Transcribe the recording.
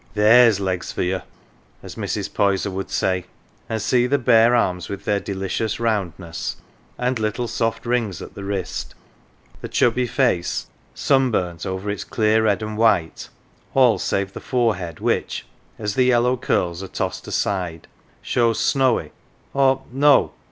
" There's legs for you !" as Mrs. Poyser would say ; and see the bare arms with their delicious roundness and little soft rings at the wrist, the chubby face, sunburnt over its clear red and white, all save the forehead which, as the yellow curls are tossed aside, shows snowy or no